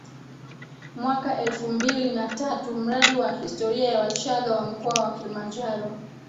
mwaka elfu mbili na tatu Mradi wa Historia ya Wachaga wa Mkoa wa Kilimanjaro